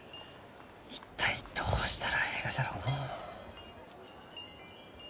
一体どうしたらえいがじゃろうのう？